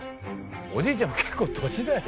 おじいちゃんも結構歳だよ。